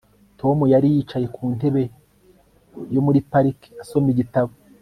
Tom yari yicaye ku ntebe yo muri parike asoma igitabo